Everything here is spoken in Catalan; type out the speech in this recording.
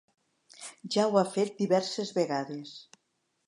Ja ho ha fet diverses vegades.